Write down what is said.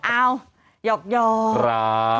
เอ้าเยาะ